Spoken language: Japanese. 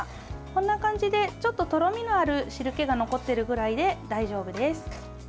こんな感じでちょっととろみのある汁けが残っているぐらいで大丈夫です。